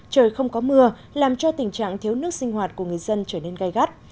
trời không có mưa làm cho tình trạng thiếu nước sinh hoạt của người dân trở nên gai gắt